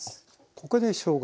ここでしょうが？